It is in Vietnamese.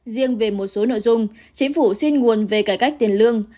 riêng về một số nội dung chính phủ xin nguồn về cải cách tiền lương